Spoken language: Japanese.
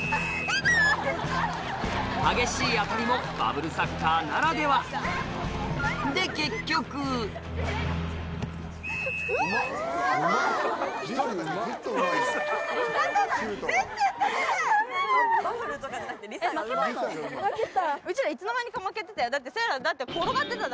激しい当たりもバブルサッカーならではで結局負けた。